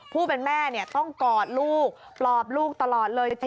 ผู้เป็นแม่ต้องกอดลูกปลอบลูกตลอดเลย